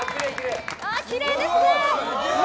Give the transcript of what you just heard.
きれいですね。